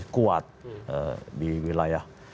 kuat di wilayah